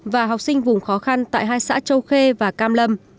và học sinh vùng khó khăn tại hai xã châu khê và cam lâm